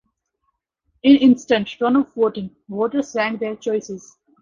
In instant-runoff voting, voters rank their choices.